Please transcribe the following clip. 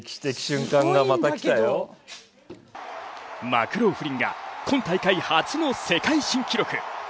マクローフリンが今大会初の世界新記録。